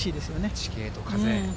地形と風。